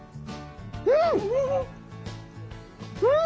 うん！